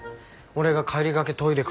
俺が帰りがけトイレ